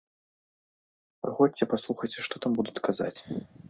Прыходзьце, паслухайце, што там будуць казаць.